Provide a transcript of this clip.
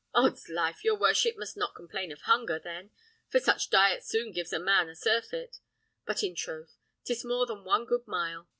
"'Ods life! your worship must not complain of hunger, then, for such diet soon gives a man a surfeit. But, in troth, 'tis more than one good mile.